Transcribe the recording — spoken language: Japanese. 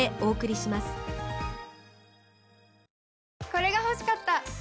これが欲しかった！